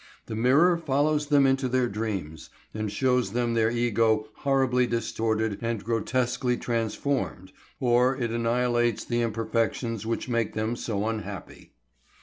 The mirror follows them into their dreams and shows them their ego horribly distorted and grotesquely transformed, or it annihilates the imperfections which make them so unhappy.